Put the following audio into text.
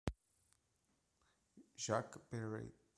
Jacques Perret